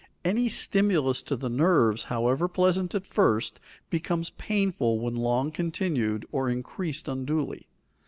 Any stimulus to the nerves, however pleasant at first, becomes painful when long continued or increased unduly.